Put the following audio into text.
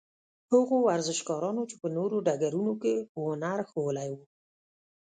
هغو ورزشکارانو چې په نورو ډګرونو کې هنر ښوولی وو.